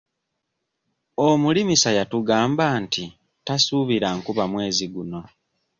Omulimisa yatugamba nti tasuubira nkuba omwezi guno.